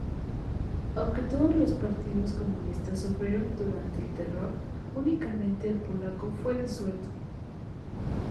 Aunque todos los partidos comunistas sufrieron durante el terror, únicamente el polaco fue disuelto.